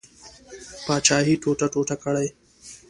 پاچهي ټوټه ټوټه کړي.